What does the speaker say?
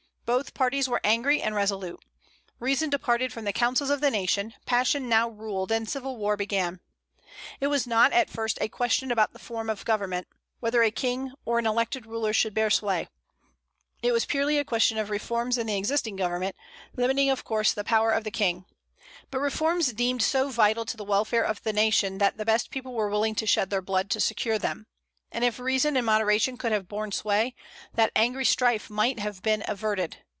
Both parties were angry and resolute; reason departed from the councils of the nation; passion now ruled, and civil war began. It was not, at first, a question about the form of government, whether a king or an elected ruler should bear sway; it was purely a question of reforms in the existing government, limiting of course the power of the King, but reforms deemed so vital to the welfare of the nation that the best people were willing to shed their blood to secure them; and if reason and moderation could have borne sway, that angry strife might have been averted.